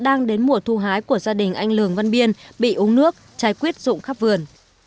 đang đến mùa thu hái của gia đình anh lường văn biên bị uống nước cháy quýt rụng khắp vườn